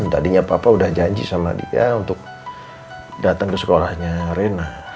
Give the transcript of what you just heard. tadinya papa udah janji sama dia untuk datang ke sekolahnya rena